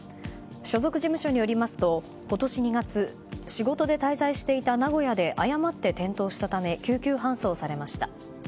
所属事務所によりますと今年２月仕事で滞在していた名古屋で誤って転倒したため救急搬送されました。